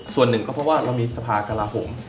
ส่วนหนึ่งก็เพราะว่าเรามีสภากลาโหม